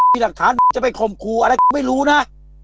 มีหลักฐานจะไปข่มครูอะไรไม่รู้นะ